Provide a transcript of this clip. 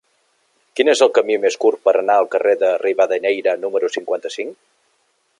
Quin és el camí més curt per anar al carrer de Rivadeneyra número cinquanta-cinc?